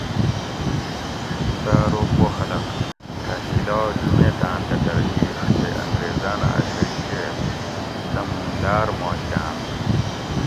سہ ارو پو خلق تھہ ہِیلا جُمیتاۤں دۤتر لِیڛ تے انگریزاۤنہ اۤ شئی چیت سہ مُوں لاۤر ما گھاۤن تھو